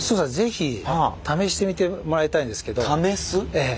ええ。